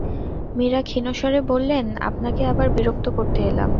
মীরা ক্ষীণ স্বরে বললেন, আপনাকে আবার বিরক্ত করতে এলাম।